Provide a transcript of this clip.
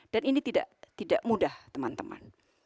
dan ini tidak mudah teman teman